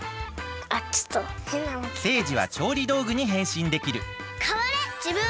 セージはちょうりどうぐにへんしんできるかわれじぶん！